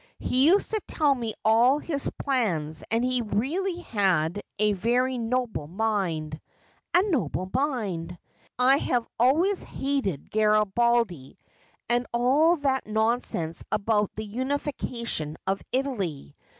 He used to tell me all his plans, and he really had a very noble mind — a noble mind. I have always hated Gari baldi, and all that nonsense about the unification of Italy.